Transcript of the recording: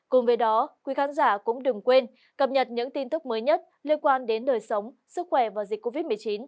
cùng với đó quý khán giả cũng đừng quên cập nhật những tin tức mới nhất liên quan đến đời sống sức khỏe và dịch covid một mươi chín